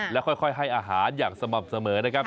แล้วค่อยให้อาหารอย่างสม่ำเสมอนะครับ